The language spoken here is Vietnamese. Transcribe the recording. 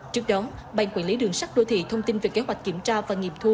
trước đó ban quản lý đường sắt đô thị thông tin về kế hoạch kiểm tra và nghiệm thu